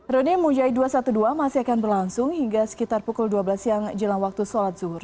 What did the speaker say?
reuni mujahi dua ratus dua belas masih akan berlangsung hingga sekitar pukul dua belas siang jelang waktu sholat zuhur